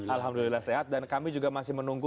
alhamdulillah sehat dan kami juga masih menunggu